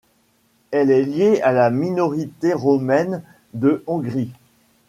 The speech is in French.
Elle est liée à la minorité roumaine de Hongrie.